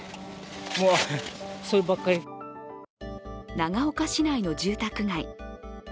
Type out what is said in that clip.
長岡市内の住宅街。